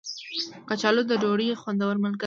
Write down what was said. کچالو د ډوډۍ خوندور ملګری دی